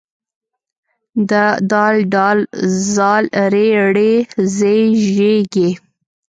د ډ ذ ر ړ ز ژ ږ